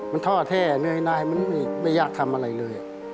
มันท่อแท้เหนื่อยนายมันไม่อยากทำอะไรเลย